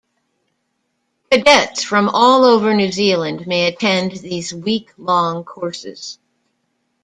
Cadets from all over New Zealand may attend these week long courses.